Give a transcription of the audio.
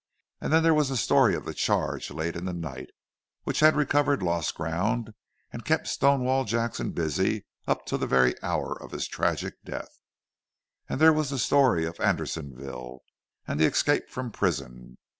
And then there was the story of the charge late in the night, which had recovered the lost ground, and kept Stonewall Jackson busy up to the very hour of his tragic death. And there was the story of Andersonville, and the escape from prison.